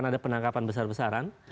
ada penangkapan besar besaran